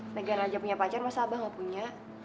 megan aja punya pacar masa abah gak punya